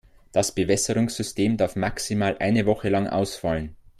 Das Bewässerungssystem darf maximal eine Woche lang ausfallen.